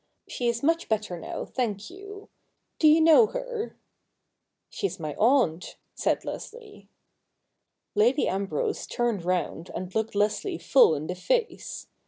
'She is much better now, thank you. Do you know her ?'' She's my aunt,' said Leslie. Lady Ambrose turned round and looked Leslie full in the face.